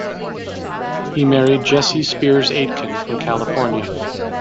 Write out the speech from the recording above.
He married Jessie Spiers Aitken from California.